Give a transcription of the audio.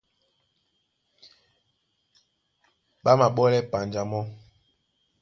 Ɓá máɓɔ́lɛ panja mɔ́.